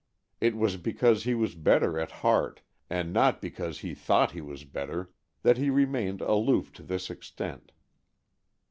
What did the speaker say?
It was because he was better at heart, and not because he thought he was better, that he remained aloof to this extent.